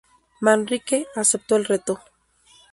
Manrique aceptó el reto.